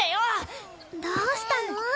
どうしたの？